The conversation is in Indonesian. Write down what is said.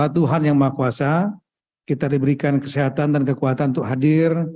tuhan yang maha kuasa kita diberikan kesehatan dan kekuatan untuk hadir